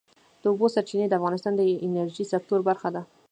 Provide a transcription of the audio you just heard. د اوبو سرچینې د افغانستان د انرژۍ سکتور برخه ده.